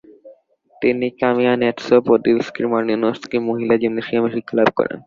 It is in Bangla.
তিনি কামিয়ানেৎস-পোডিলস্কির মারিনস্কি মহিলা জিমনেসিয়ামে শিক্ষা লাভ করেন।